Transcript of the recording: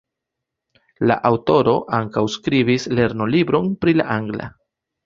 La aŭtoro ankaŭ skribis lernolibron pri la angla.